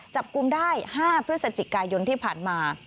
จับกลุ่มได้๕พฤศจิกายนที่ผ่านมา